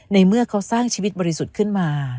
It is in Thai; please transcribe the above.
ในเมื่อเขาสร้างชีวิตบริสุทธิ์ขึ้นมา